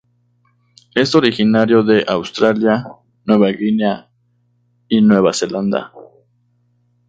Es originario de Australia, Nueva Guinea y Nueva Zelanda.